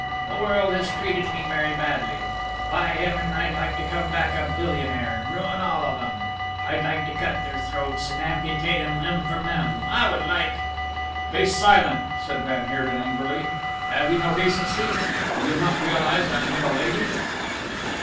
The world has treated me very badly. By heaven! I'd like to come back a billionaire and ruin all of 'em. I'd like to cut their throats and amputate 'em limb from limb, I would like " "Be silent!" said van Heerden angrily. "Have you no decency? Do you not realize I am with a lady?"